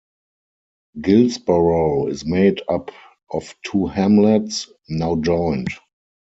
Guilsborough is made up of two hamlets, now joined.